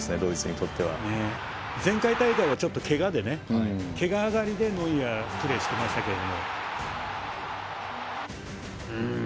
前回大会は、けが上がりでノイアーはプレーしてましたけど。